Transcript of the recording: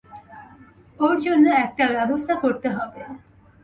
ওর জন্য একটা ব্যবস্থা করতে হবে।